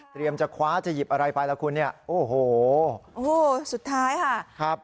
จะคว้าจะหยิบอะไรไปล่ะคุณเนี่ยโอ้โหโอ้โหสุดท้ายค่ะครับ